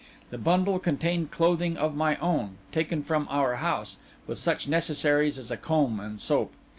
The bundle contained clothing of my own, taken from our house, with such necessaries as a comb and soap.